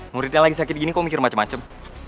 murid yang lagi sakit begini kok mikir macem macem